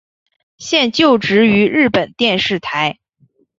现就职于日本电视台。